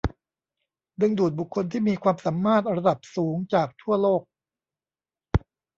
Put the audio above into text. ดึงดูดบุคคลที่มีความสามารถระดับสูงจากทั่วโลก